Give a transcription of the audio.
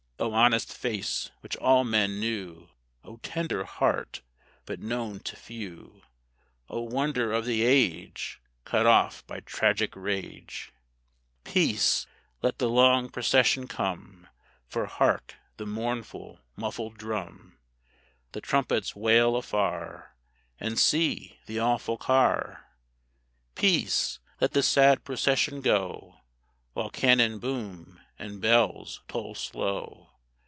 O honest face, which all men knew! O tender heart, but known to few! O wonder of the age, Cut off by tragic rage! Peace! Let the long procession come, For hark, the mournful, muffled drum, The trumpet's wail afar, And see, the awful car! Peace! Let the sad procession go, While cannon boom and bells toll slow.